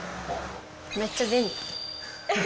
めっちゃ便利。